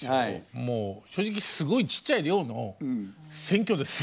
もう正直すごいちっちゃい寮の選挙ですよ。